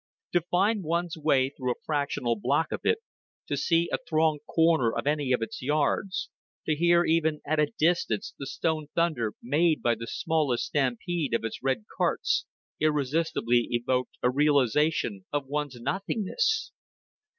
To find one's way through a fractional block of it, to see a thronged corner of any of its yards, to hear even at a distance the stone thunder made by the smallest stampede of its red carts, irresistibly evoked a realization of one's nothingness.